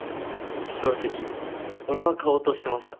正直俺は買おうとしてました。